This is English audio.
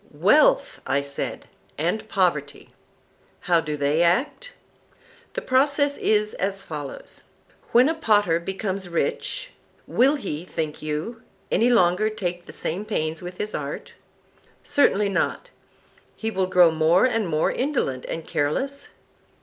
Wealth, I said, and poverty. How do they act? The process is as follows: When a potter becomes rich, will he, think you, any longer take the same pains with his art? Certainly not. He will grow more and more indolent and careless?